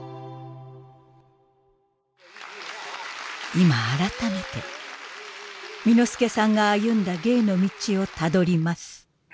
今改めて簑助さんが歩んだ芸の道をたどります。